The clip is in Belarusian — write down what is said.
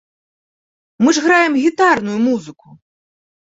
Мы ж граем гітарную музыку!